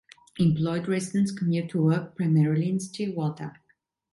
Employed residents commute to work, primarily in Stillwater.